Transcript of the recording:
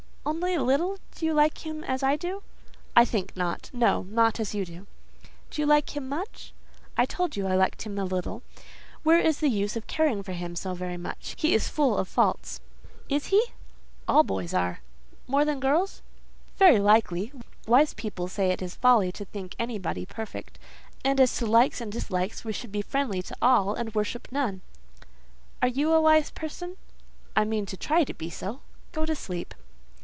"Only a little! Do you like him as I do?" "I think not. No: not as you do." "Do you like him much?" "I told you I liked him a little. Where is the use of caring for him so very much: he is full of faults." "Is he?" "All boys are." "More than girls?" "Very likely. Wise people say it is folly to think anybody perfect; and as to likes and dislikes, we should be friendly to all, and worship none." "Are you a wise person?" "I mean to try to be so. Go to sleep."